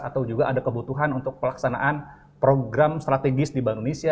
atau juga ada kebutuhan untuk pelaksanaan program strategis di bank indonesia